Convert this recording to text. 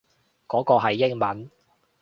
嗰個係英文